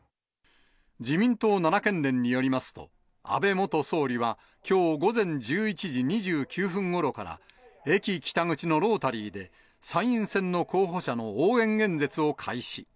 自民党奈良県連によりますと、安倍元総理は、きょう午前１１時２９分ごろから、駅北口のロータリーで、参院選の候補者の応援演説を開始。